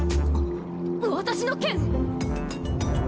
私の剣⁉